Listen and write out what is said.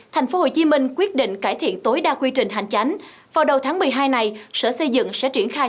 tp hcm quyết định cải thiện tối đa quy trình hành chánh vào đầu tháng một mươi hai này sở xây dựng sẽ triển khai